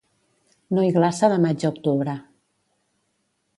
No hi glaça de maig a octubre.